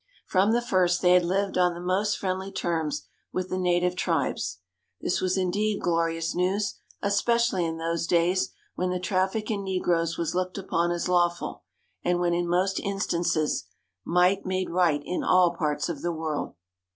From the first, they had lived on the most friendly terms with the native tribes. This was indeed glorious news, especially in those days, when the traffic in negroes was looked upon as lawful, and when in most instances might made right in all parts of the world.